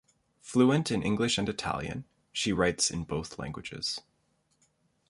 Fluent in English and Italian, she writes in both languages.